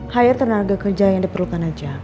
hire tenaga kerja yang diperlukan aja